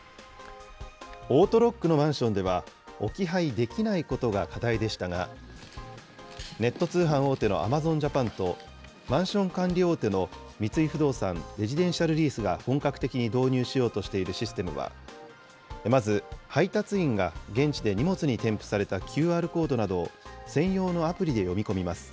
オートロックのマンションでは、置き配できないことが課題でしたが、ネット通販大手のアマゾンジャパンと、マンション管理大手の三井不動産レジデンシャルリースが本格的に導入しようとしているシステムは、まず配達員が現地で荷物に添付されたＱＲコードなどを専用のアプリで読み込みます。